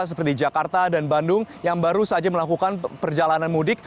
seperti jakarta dan bandung yang baru saja melakukan perjalanan mudik